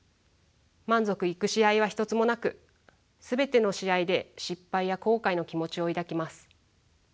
満足いく試合は一つもなく全ての試合で失敗や後悔の気持ちを抱きます。